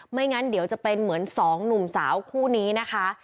งั้นเดี๋ยวจะเป็นเหมือนสองหนุ่มสาวคู่นี้นะคะ